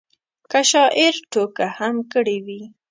که شاعر ټوکه هم کړې وي.